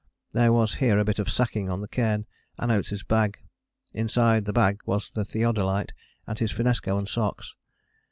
There was here a bit of sacking on the cairn, and Oates' bag. Inside the bag was the theodolite, and his finnesko and socks.